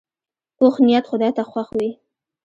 پوخ نیت خدای ته خوښ وي